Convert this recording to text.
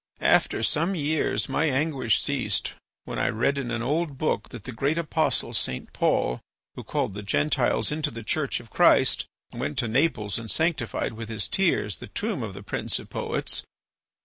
"After some years my anguish ceased when I read in an old book that the great apostle St. Paul, who called the Gentiles into the Church of Christ, went to Naples and sanctified with his tears the tomb of the prince of poets.